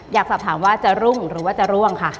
อยากสอบถามว่าจะรุ่งหรือว่าจะร่วงค่ะ